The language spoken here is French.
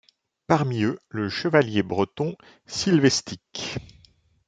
Parmi eux le chevalier breton Sylvestik.